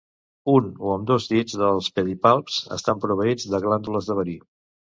Un o ambdós dits dels pedipalps estan proveïts de glàndules de verí.